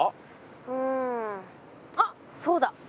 うんあっそうだ。